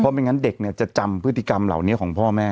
ไม่งั้นเด็กเนี่ยจะจำพฤติกรรมเหล่านี้ของพ่อแม่